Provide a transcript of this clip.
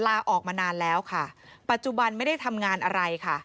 ลาออกมานานแล้วค่ะปัจจุบันไม่ได้ทำงานอะไรค่ะ